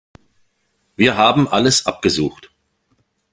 Wir haben alles abgesucht.